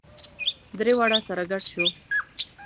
درې واړه سره ګډ شوو.